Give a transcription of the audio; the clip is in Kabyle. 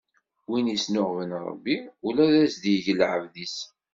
Win isnuɣben Ṛebbi, ula as-d-ig lɛebd-is.